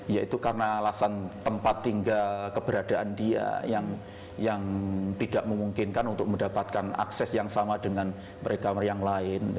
yaitu karena alasan tempat tinggal keberadaan dia yang tidak memungkinkan untuk mendapatkan akses yang sama dengan mereka yang lain